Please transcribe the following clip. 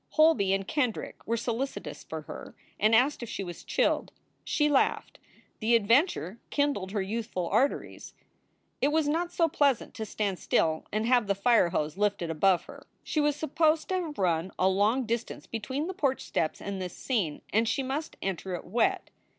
Holby and Kendrick were solicitous for her and asked if she was chilled. She laughed. The adventure kindled her youthful arteries. It was not so pleasant to stand still and have the fire hose lifted above her. She was supposed to have run a long distance between the porch steps and this scene, and she must enter it wet.